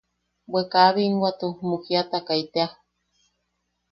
Bwe kaa binwatu mukiatakai tea.